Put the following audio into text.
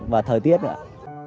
và thời tiết nữa ạ